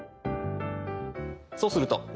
そうすると。